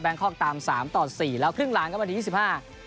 แบงคลอกตามสามต่อสี่แล้วครึ่งหลังก็มาถึงยี่สิบห้า